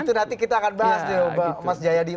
itu nanti kita akan bahas dulu mas jayadi